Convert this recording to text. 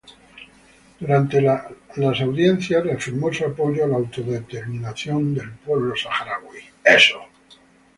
Durante las audiencias, reafirmó su apoyo a la autodeterminación del pueblo saharaui.